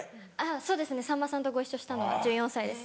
そうですねさんまさんとご一緒したのは１４歳です。